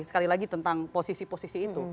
sekali lagi tentang posisi posisi itu